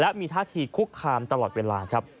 และมีท่าทีคุกคามตลอดเวลาครับ